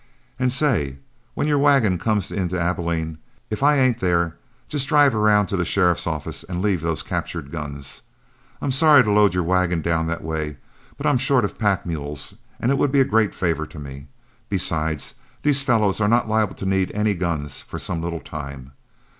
And say, when your wagon comes into Abilene, if I ain't there, just drive around to the sheriff's office and leave those captured guns. I'm sorry to load your wagon down that way, but I'm short on pack mules and it will be a great favor to me; besides, these fellows are not liable to need any guns for some little time.